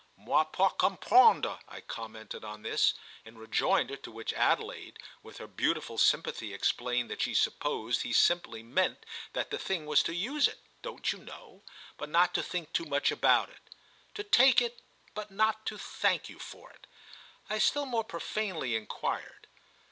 "Moi pas comprendre!" I commented on this; in rejoinder to which Adelaide, with her beautiful sympathy, explained that she supposed he simply meant that the thing was to use it, don't you know? but not to think too much about it. "To take it, but not to thank you for it?" I still more profanely enquired.